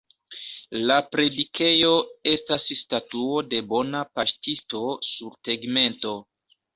La predikejo estas Statuo de Bona Paŝtisto sur tegmento.